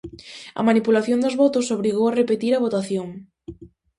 A manipulación dos votos obrigou a repetir a votación.